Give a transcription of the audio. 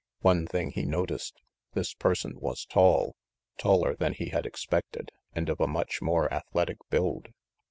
One thing he noticed this person was tall, taller than he had expected, and of a much more athletic build.